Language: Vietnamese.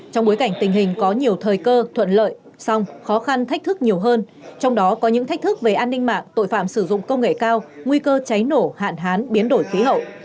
trong bối cảnh tình hình có nhiều thời cơ thuận lợi song khó khăn thách thức nhiều hơn trong đó có những thách thức về an ninh mạng tội phạm sử dụng công nghệ cao nguy cơ cháy nổ hạn hán biến đổi khí hậu